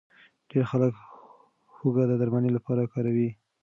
ډېر خلک هوږه د درملنې لپاره کاروي.